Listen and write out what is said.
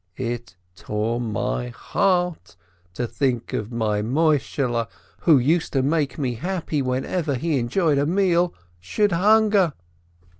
It tore my heart to think my Moishehle, who used to make me happy whenever he enjoyed a meal, should hunger.